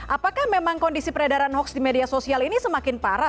apakah memang kondisi peredaran hoax di media sosial ini semakin parah